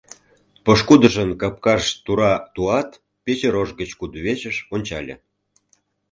Пошкудыжын капкаж тура туат, пече рож гыч кудывечыш ончале.